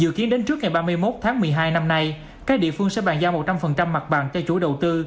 dự kiến đến trước ngày ba mươi một tháng một mươi hai năm nay các địa phương sẽ bàn giao một trăm linh mặt bằng cho chủ đầu tư